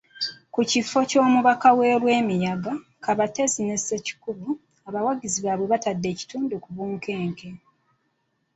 Ku kifo ky'Omubaka we Lwemiyaga, Kabatsi ne Ssekikubo, abawagizi baabwe batadde ekitundu ku bunkenke.